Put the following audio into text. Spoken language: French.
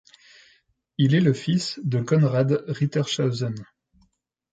Il est le fils de Konrad Rittershausen.